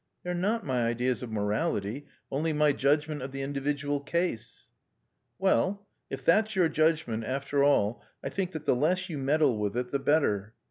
"They are not my ideas of morality, only my judgment of the individual case." "Well if that's your judgment, after all, I think that the less you meddle with it the better."